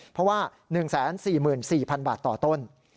เพราะว่า๑๔๔๐๐๐บาทต่อต้น